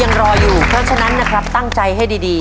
ยังรออยู่เพราะฉะนั้นนะครับตั้งใจให้ดี